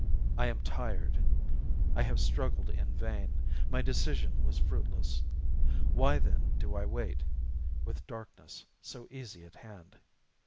I am tired. I have struggled in vain, my decision was fruitless, Why then do I wait? with darkness, so easy, at hand!...